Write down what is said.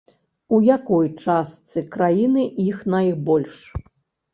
У якой частцы краіны іх найбольш?